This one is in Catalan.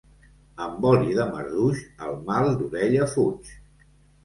Amb oli de marduix el mal d'orella fuig.